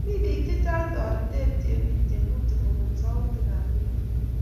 Mi biik che cheng'e toretet ye biit tyemutik kobun sautik ap bik alak